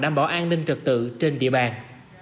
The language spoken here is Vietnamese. đảm bảo an ninh trật tự trên địa bàn